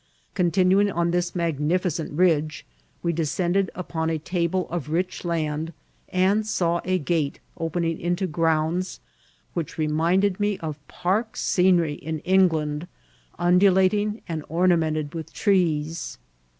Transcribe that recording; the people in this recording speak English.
Continuing on this magnificent ridge, we descended iqpon a table of rich land, and saw a gate opening into grounds which reminded me of park scenery in Eng* land, undulating, and ornamented with trees.